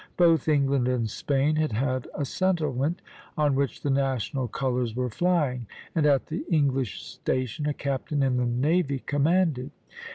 Both England and Spain had had a settlement, on which the national colors were flying; and at the English station a captain in the navy commanded.